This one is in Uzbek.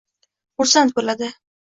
Xursand bo‘ladi.